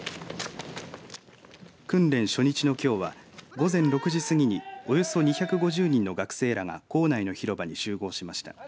訓練初日のきょうは午前６時過ぎにおよそ２５０人の学生らが校内の広場に集合しました。